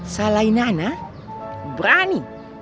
salahin ana berani